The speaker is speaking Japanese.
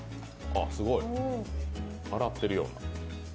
すごい、洗ってるような。